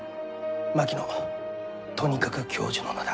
槙野とにかく教授の名だ。